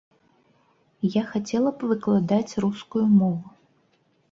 Я хацела б выкладаць рускую мову.